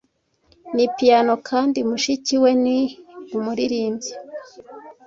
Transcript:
Ni piyano kandi mushiki we ni umuririmbyi.